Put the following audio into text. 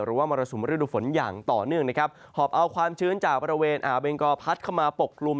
มรสุมฤดูฝนอย่างต่อเนื่องนะครับหอบเอาความชื้นจากบริเวณอ่าวเบงกอพัดเข้ามาปกกลุ่ม